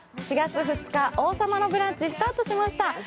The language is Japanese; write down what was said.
４月２日「王様のブランチ」スタートしました。